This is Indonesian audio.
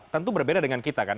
tentu berbeda dengan kita kan